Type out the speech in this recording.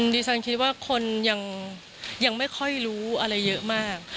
ดิฉันคิดว่าคนยังไม่ค่อยรู้อะไรเยอะมาก